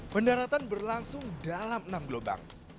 pendaratan berlangsung dalam enam gelombang